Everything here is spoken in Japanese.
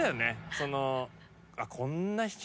その。